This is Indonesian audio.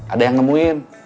ada yang nemuin